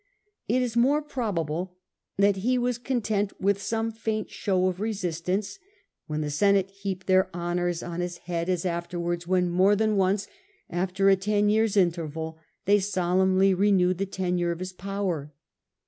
It is more probable that he was content with some faint show of resistance, when the Senate heaped their honours on — A.D. 14. Augusts. II his head, as afterwards when, more than once, after a ten years' interval, they solemnly renewed the tenure of his power.